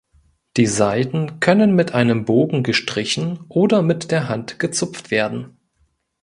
Die Saiten können mit einem Bogen gestrichen oder mit der Hand gezupft werden.